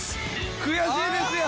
「悔しいです」や。